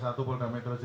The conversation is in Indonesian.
saya juru bicara polri